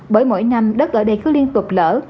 bởi mỗi năm đất ở đây cứ liên tục lỡ